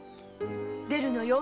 出るのよ！